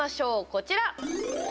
こちら。